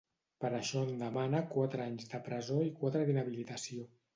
Per això en demana quatre anys de presó i quatre d’inhabilitació.